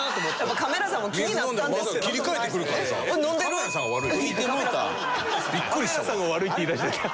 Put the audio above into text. カメラさんが悪いって言いだした。